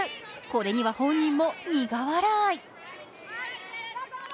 これには本人も苦笑い。